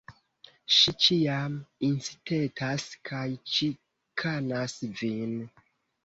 Ŝi ĉiam incitetas kaj ĉikanas vin!